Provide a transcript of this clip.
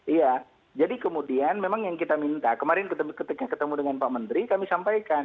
iya jadi kemudian memang yang kita minta kemarin ketika ketemu dengan pak menteri kami sampaikan